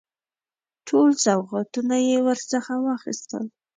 ټول سوغاتونه یې ورڅخه واخیستل.